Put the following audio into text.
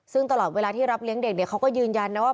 ซึ่งตลอดเวลาที่รับเลี้ยงเด็กเขาก็ยืนยันนะว่า